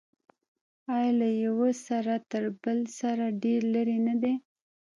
آیا له یوه سر تر بل سر ډیر لرې نه دی؟